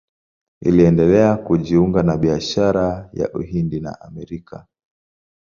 Iliendelea kujiunga na biashara ya Uhindi na Amerika.